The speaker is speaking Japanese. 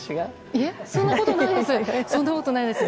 いえ、そんなことないです。